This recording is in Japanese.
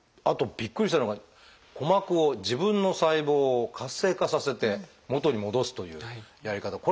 あとびっくりしたのが鼓膜を自分の細胞を活性化させて元に戻すというやり方。